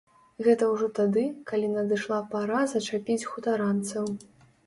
Гэта ўжо тады, калі надышла пара зачапіць хутаранцаў.